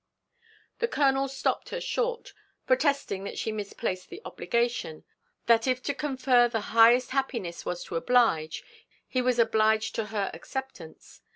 The colonel stopt her short, protesting that she misplaced the obligation; for, that if to confer the highest happiness was to oblige, he was obliged to her acceptance.